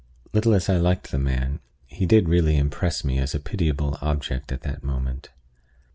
Little as I liked the man, he did really impress me as a pitiable object at that moment.